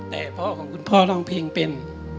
แต่พ่อของคุณพ่อร้องเพลงเป็น